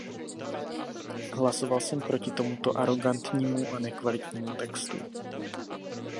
Hlasoval jsem proti tomuto arogantnímu a nekvalitnímu textu.